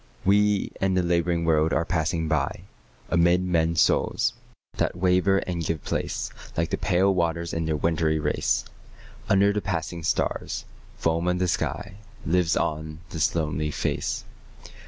We and the labouring world are passing by: Amid men's souls, that waver and give place Like the pale waters in their wintry race, Under the passing stars, foam of the sky, Lives on this lonely face.